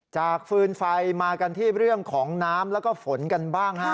ฟืนไฟมากันที่เรื่องของน้ำแล้วก็ฝนกันบ้างฮะ